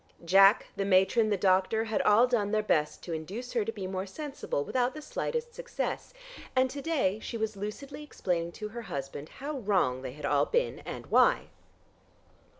Jack, the matron, the doctor, had all done their best to induce her to be more sensible without the slightest success, and to day she was lucidly explaining to her husband how wrong they had all been and why.